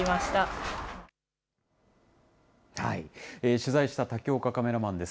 取材した竹岡カメラマンです。